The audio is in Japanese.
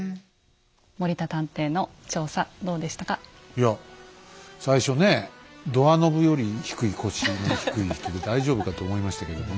いや最初ねドアノブより腰の低い人で大丈夫かと思いましたけどもね